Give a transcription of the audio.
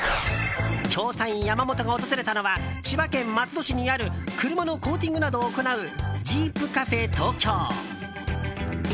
調査員ヤマモトが訪れたのは千葉県松戸市にある車のコーティングなどを行うジープカフェ東京。